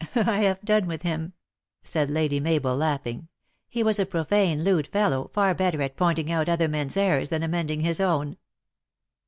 " I have done with him," said Lady Mabel, laugh ing. " He was a profane, lewd fellow, far better at pointing out other men s errors than amending his own."